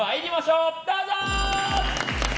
どうぞ！